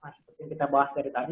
seperti yang kita bahas dari tadi